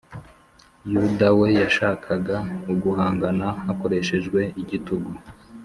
yuda we yashakaga uguhangana hakoreshejwe igitugu